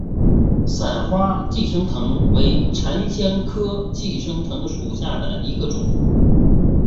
伞花寄生藤为檀香科寄生藤属下的一个种。